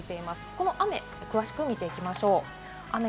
この雨、詳しく見ていきましょう。